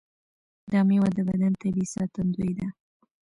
دا میوه د بدن طبیعي ساتندوی ده.